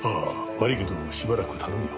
悪いけどもしばらく頼むよ。